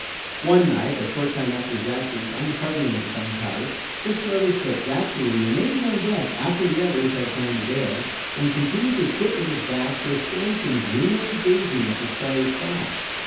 One night a short time after Zachary's uncovering of the gunpowder, Chris noticed that Zachary remained on deck after the others had gone to bed, and continued to sit with his back to a stanchion dreamily gazing at the starry sky.